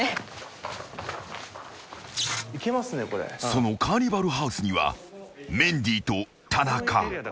［そのカーニバルハウスにはメンディーと田中］